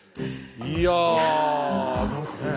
いや何かね